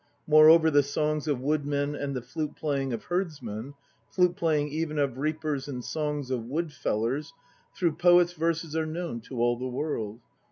Moreover the songs of woodmen and the flute playing of herdsmen, Flute playing even of reapers and songs of wood fellers Through poets' verses are known to all the world.